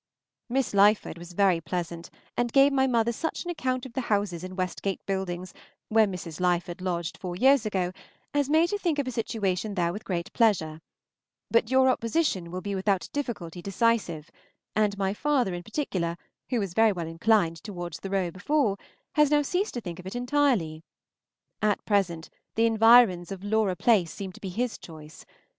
Miss Lyford was very pleasant, and gave my mother such an account of the houses in Westgate Buildings, where Mrs. Lyford lodged four years ago, as made her think of a situation there with great pleasure, but your opposition will be without difficulty decisive, and my father, in particular, who was very well inclined towards the Row before, has now ceased to think of it entirely. At present the environs of Laura Place seem to be his choice.